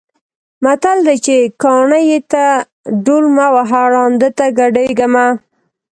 متل دی چې: کاڼۀ ته ډول مه وهه، ړانده ته ګډېږه مه.